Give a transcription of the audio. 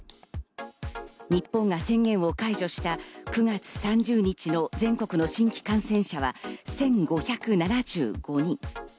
日本が宣言を解除した９月３０日の全国の新規感染者は１５７５人。